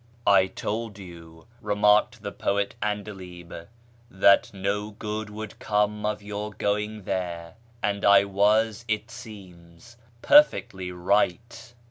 " I told you," remarked the poet 'Andalib, " that no good would come of your going there, and I was, it seems, perfectly right."